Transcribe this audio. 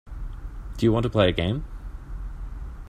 Do you want to play a game.